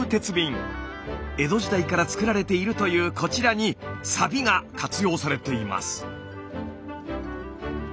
江戸時代から作られているというこちらにサビが活用されています。